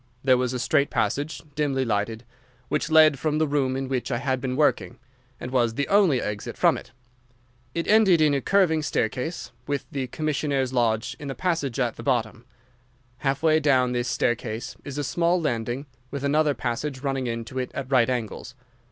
There was a straight passage, dimly lighted, which led from the room in which I had been working, and was the only exit from it. It ended in a curving staircase, with the commissionnaire's lodge in the passage at the bottom. Half way down this staircase is a small landing, with another passage running into it at right angles.